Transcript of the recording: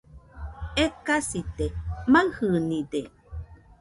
Ekasite, maɨjɨnide